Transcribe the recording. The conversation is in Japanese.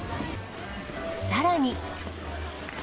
さらに。